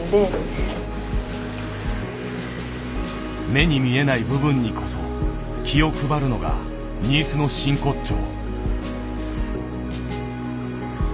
目に見えない部分にこそ気を配るのが新津の真骨頂。